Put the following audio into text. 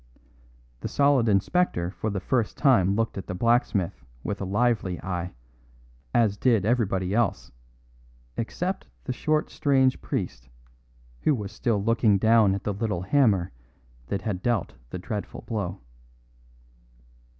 The solid inspector for the first time looked at the blacksmith with a lively eye; as did everybody else, except the short, strange priest, who was still looking down at the little hammer that had dealt the dreadful blow.